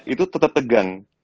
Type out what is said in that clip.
itu tetep tegang